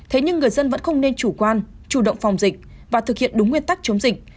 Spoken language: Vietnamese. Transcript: thế nhưng người dân vẫn không nên chủ quan chủ động phòng dịch và thực hiện đúng nguyên tắc chống dịch